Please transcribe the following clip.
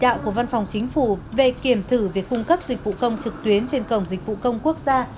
chỉ đạo của văn phòng chính phủ về kiểm thử việc cung cấp dịch vụ công trực tuyến trên cổng dịch vụ công quốc gia